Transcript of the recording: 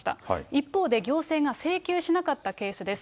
一方で、行政が請求しなかったケースです。